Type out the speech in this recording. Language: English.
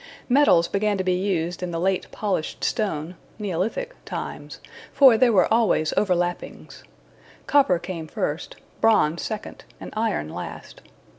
Metals began to be used in the late Polished Stone (Neolithic) times, for there were always overlappings. Copper came first, Bronze second, and Iron last.